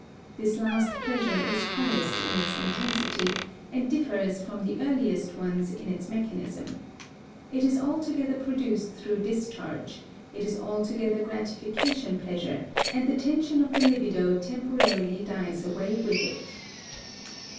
This last pleasure is highest in its intensity, and differs from the earliest ones in its mechanism. It is altogether produced through discharge, it is altogether gratification pleasure and the tension of the libido temporarily dies away with it.